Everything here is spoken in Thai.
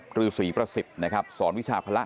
ครูสม